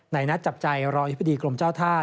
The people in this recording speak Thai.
ในนัดจับใจรองอิพฤษฎีกรมเจ้าท่า